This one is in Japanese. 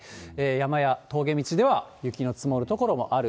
山や峠道では雪の積もる所もある。